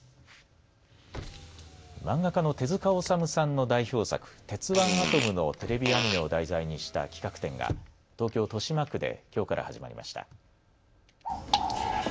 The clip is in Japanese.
漫画家の手塚治虫さんの代表作、鉄腕アトムのテレビアニメを題材にした企画展が東京豊島区できょうから始まりました。